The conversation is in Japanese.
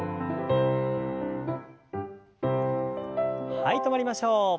はい止まりましょう。